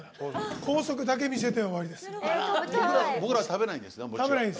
高速だけ見せて終わりです。